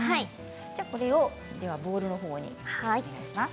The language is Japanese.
これをボウルの方にお願いします。